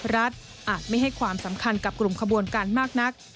อาจไม่ให้ความสำคัญกับกลุ่มขบวนการมากนัก